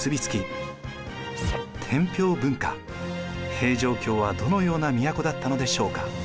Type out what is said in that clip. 平城京はどのような都だったのでしょうか？